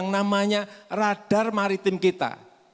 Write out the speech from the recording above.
namanya radar maritim kita